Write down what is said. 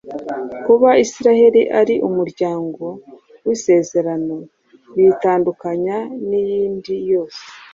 Kuba Isiraheli ari umuryango w‟Isezerano, biyitandukanya n‟iyindi yose.